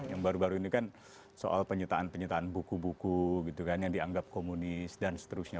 yang baru baru ini kan soal penyitaan penyitaan buku buku gitu kan yang dianggap komunis dan seterusnya